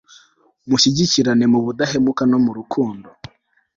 mushyigikirane mu budahemuka no murukundo